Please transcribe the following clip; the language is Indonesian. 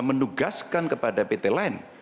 menugaskan kepada pt lain